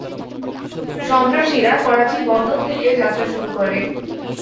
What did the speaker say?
সন্ত্রাসীরা করাচি বন্দর থেকে যাত্রা শুরু করে।